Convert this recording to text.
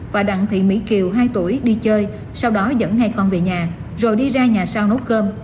và đặng thị mỹ kiều hai tuổi đi chơi sau đó dẫn hai con về nhà rồi đi ra nhà sau nấu cơm